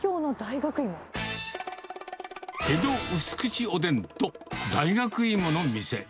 江戸うすくちおでんと、大学いもの店。